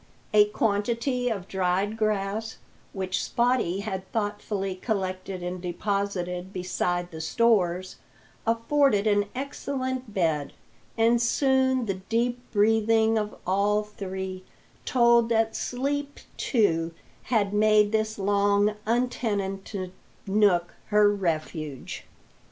A quantity of dried grass, which Spottie had thoughtfully collected and deposited beside the stores, afforded an excellent bed, and soon the deep breathing of all three told that sleep too had made this long untenanted nook her refuge.